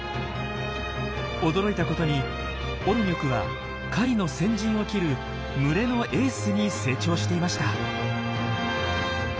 驚いたことにオルニョクは狩りの先陣を切る群れのエースに成長していました。